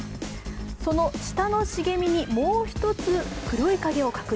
その下の茂みに、もう１つ、黒い影を確認。